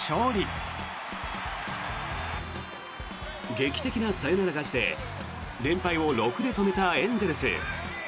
劇的なサヨナラ勝ちで連敗を６で止めたエンゼルス。